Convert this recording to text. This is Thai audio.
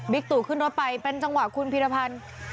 ตู่ขึ้นรถไปเป็นจังหวะคุณพีรพันธ์